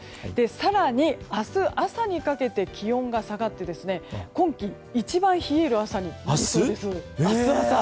更に、明日朝にかけて気温が下がって今季一番冷える朝になりそうです。